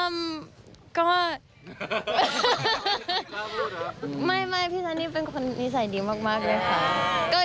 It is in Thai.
ไม่พี่ซันนี่เป็นคนนิสัยดีมากด้วยค่ะ